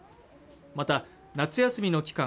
また夏休みの期間